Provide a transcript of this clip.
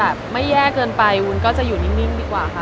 แบบไม่แย่เกินไปวุ้นก็จะอยู่นิ่งดีกว่าค่ะ